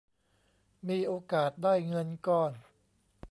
มีโอกาสได้เงินก้อน